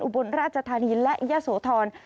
บนราชธานีและยะโสธร